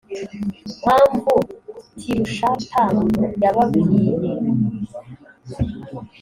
mpamvu tirushata yababwiye